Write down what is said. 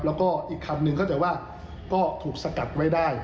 แล้วก็อีกคันหนึ่งเข้าใจว่าก็ถูกสกัดไว้ได้